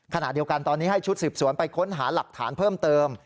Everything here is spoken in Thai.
ขณะเดียวกันตอนนี้ให้ชุดสืบสวนไปค้นหาหลักฐานเพิ่มเติม